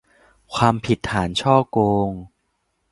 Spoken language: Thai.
ความผิดฐานฉ้อโกง